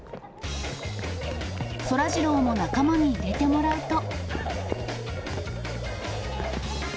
そらジローも仲間に入れてもらうと。